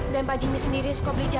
dan pak jimmy sendiri suka berpengalaman